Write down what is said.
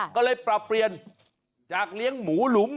ก็เลยปรับเปลี่ยนจากเลี้ยงหมูหลุม